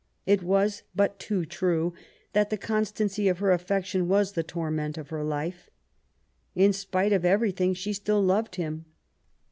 It was but too true that the constancy of her affection was the torment of her life. In spite of everything, she still loved him.